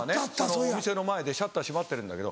お店の前でシャッター閉まってるんだけど。